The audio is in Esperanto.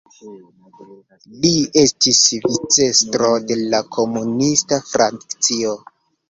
Li estis vicestro de la komunista frakcio.